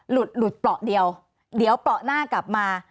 หลุดหลุดเปราะเดียวเดี๋ยวเปราะหน้ากลับมา